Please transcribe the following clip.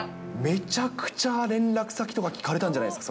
めちゃくちゃ連絡先とか聞かれたんじゃないですか？